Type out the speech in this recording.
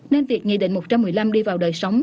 nên việc nghị định một trăm một mươi năm đi vào đời sống